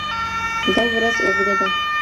دا ورځ اوږده ده